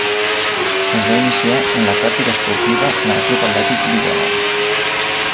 Es va iniciar en la pràctica esportiva en el Club Atlètic d'Igualada.